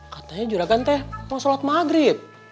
katanya juragan teh mau sholat maghrib